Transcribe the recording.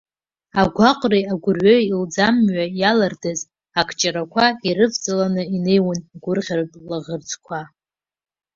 Агәаҟреи агәырҩеи лӡамҩа иалырдаз акҷырақәа ирывҵаланы инеиуан агәырӷьаратә лаӷырӡқәа.